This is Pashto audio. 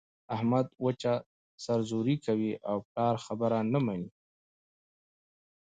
احمد وچه سر زوري کوي او د پلار خبره نه مني.